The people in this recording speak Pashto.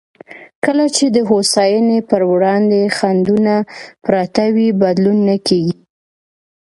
کله چې د هوساینې پر وړاندې خنډونه پراته وي، بدلون نه کېږي.